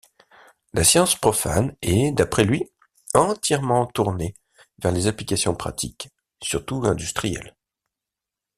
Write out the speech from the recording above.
La science profane est, d'après lui, entièrement tournée vers les applications pratiques, surtout industrielles.